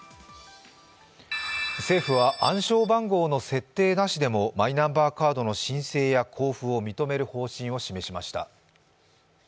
政府は暗証番号の設定なしでも、マイナンバーカードの申請や交付を認める方針を示しました。